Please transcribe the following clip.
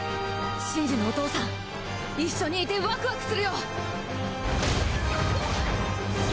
シンジのお父さん一緒にいてワクワクするよ！